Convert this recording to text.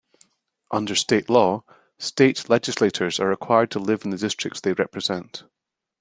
Under state law, state legislators are required to live in the districts they represent.